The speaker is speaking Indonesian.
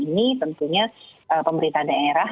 ini tentunya pemerintah daerah